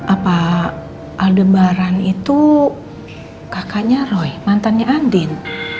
apa aldebaran itu kakaknya roy mantannya andin